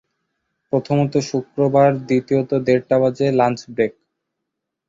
প্রথমত শুক্রবার, দ্বিতীয়ত দেড়টা বাজে, লাঞ্চ ব্রেক।